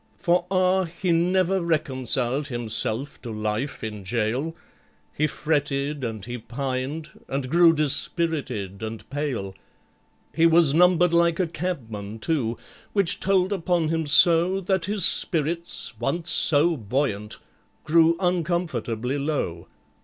For, ah! he never reconciled himself to life in gaol, He fretted and he pined, and grew dispirited and pale; He was numbered like a cabman, too, which told upon him so That his spirits, once so buoyant, grew uncomfortably low.